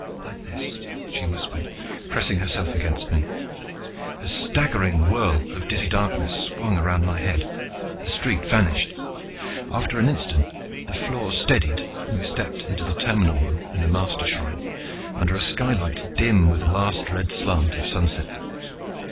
"Like this," she whispered, pressing herself against me. A staggering whirl of dizzy darkness swung round my head. The street vanished. After an instant the floor steadied and we stepped into the terminal room in the Mastershrine, under a skylight dim with the last red slant of sunset.